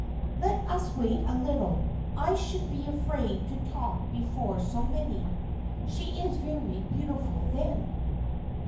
"Let us wait a little; I should be afraid to talk before so many. She is very beautiful, then."